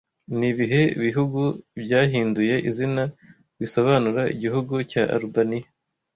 Nibihe bihugu byahinduye izina bisobanura Igihugu cya Alubaniya